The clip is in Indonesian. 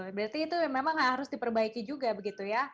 berarti itu memang harus diperbaiki juga begitu ya